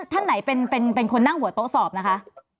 ท่านไหนเป็นคนนั่งหัวโต๊ะสอบนะคะ